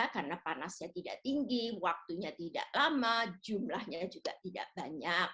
karena panasnya tidak tinggi waktunya tidak lama jumlahnya juga tidak banyak